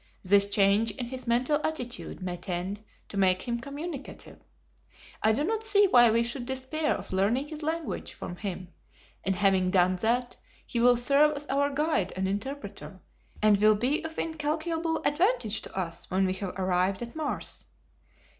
This change in his mental attitude may tend to make him communicative. I do not see why we should despair of learning his language from him, and having done that, he will serve as our guide and interpreter, and will be of incalculable advantage to us when we have arrived at Mars."